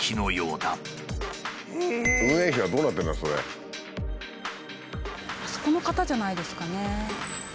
あそこの方じゃないですかね。